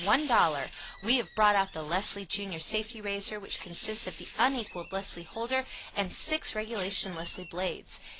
00, we have brought out the Leslie Junior Safety Razor which consists of the unequaled Leslie Holder and six regulation Leslie blades.